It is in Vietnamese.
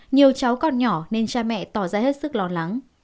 nhiều cháu còn nhỏ nên cha mẹ tỏ ra hết sức lo lắng